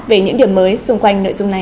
về những điểm mới xung quanh nội dung này